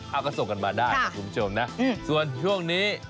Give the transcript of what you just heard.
เอาก็ส่งกันมาได้นะคุณผู้ชมนะส่วนช่วงนี้